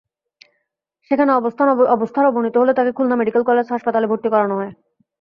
সেখানে অবস্থার অবনতি হলে তাঁকে খুলনা মেডিকেল কলেজ হাসপাতালে ভর্তি করা হয়।